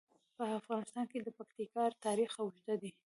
په افغانستان کې د پکتیکا تاریخ اوږد دی.